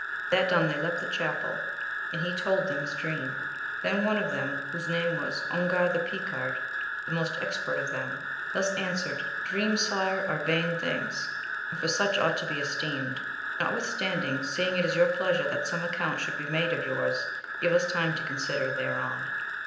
That done they left the chapel, and he told them his dream. Then one of them whose name was Ungaji the Picard, the most expert of them, thus an AMADIS OF GAUL. 13 swered, Dreams Sire, are vain things, and fpr such ought to be esteemed; notwithstanding seeing it is your pleasure that some account should be made of yours, give us time to consider thereon.